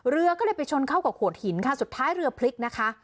เรือก็เลยไปชนเข้ากับโขดหินค่ะสุดท้ายเรือพลิกนะคะ